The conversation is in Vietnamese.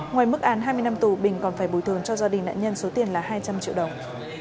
ngoài mức án hai mươi năm tù bình còn phải bồi thường cho gia đình nạn nhân số tiền là hai trăm linh triệu đồng